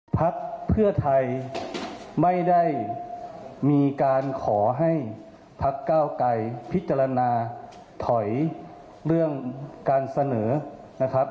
พักเพื่อไทยไม่ได้มีการขอให้พักเก้าไกรพิจารณาถอยเรื่องการเสนอนะครับ